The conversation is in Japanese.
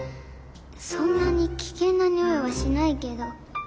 そんなに危険なニオイはしないけど。